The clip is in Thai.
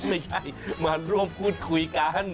ไม่ใช่มาร่วมพูดคุยกัน